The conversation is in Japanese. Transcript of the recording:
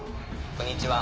こんにちは。